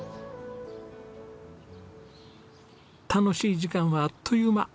楽しい時間はあっという間。